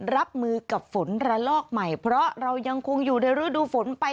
รับมือกับฝนระลอกใหม่เพราะเรายังคงอยู่ในฤดูฝนไป